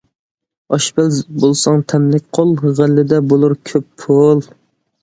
ئاشپەز بولساڭ تەملىك قول، غەللىدە بولۇر كۆپ پۇل.